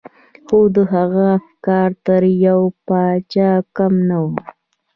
خو د هغه افکار تر يوه پاچا کم نه وو.